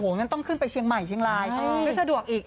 งั้นต้องขึ้นไปเชียงใหม่เชียงรายหรือสะดวกอีก